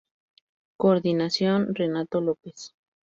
Coordinación: Renato López